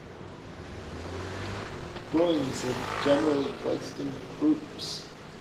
Groynes are generally placed in groups.